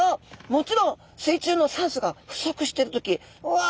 もちろん水中の酸素が不足してる時うわ！